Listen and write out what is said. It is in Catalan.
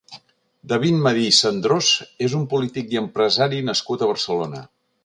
David Madí i Cendrós és un polític i empresari nascut a Barcelona.